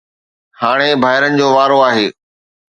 هاڻي ڀائرن جو وارو آهي